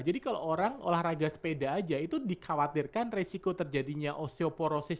jadi kalau orang olahraga sepeda aja itu dikhawatirkan resiko terjadinya osteoporosis